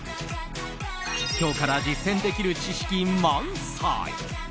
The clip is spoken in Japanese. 今日から実践できる知識満載！